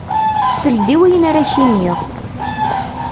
Sel-d i wayen ara k-niɣ.